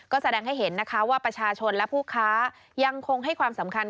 ก็แสดงให้เห็นนะคะว่าประชาชนและผู้ค้ายังคงให้ความสำคัญ